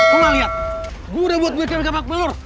kamu lihat gue udah buat mereka bak belur